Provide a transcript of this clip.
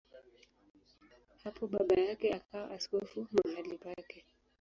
Hapo baba yake akawa askofu mahali pake.